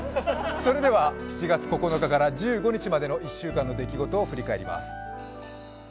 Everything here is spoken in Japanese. それでは７月９日から１５日までの１週間の出来事を振り返ります。